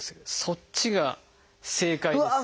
そっちが正解です。